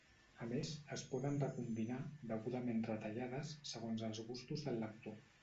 A més, es poden recombinar, degudament retallades, segons els gustos del lector.